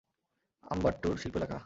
আম্বাট্টুর শিল্প এলাকা?